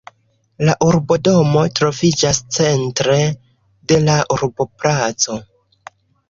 La urbodomo troviĝas centre de la urboplaco.